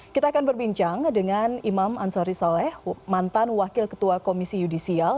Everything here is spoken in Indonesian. kita akan berbincang dengan imam ansori soleh mantan wakil ketua komisi yudisial